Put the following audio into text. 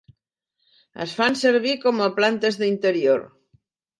Es fan servir com a plantes d'interior.